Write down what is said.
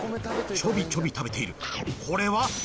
ちょびちょび食べているこれは。